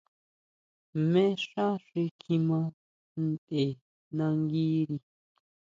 ¿Jmé xá xi kjima ntʼe nanguiri?